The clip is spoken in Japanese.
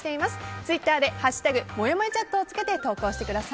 ツイッターで「＃もやもやチャット」をつけて投稿してください。